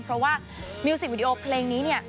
เพราะว่ามิวสิกวิดีโอเพลงนี้เนี่ย